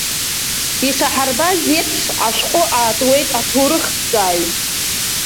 Ишаҳарбаз еиԥш, ашәҟәы аатуеит аҭоурыхҭҵааҩ.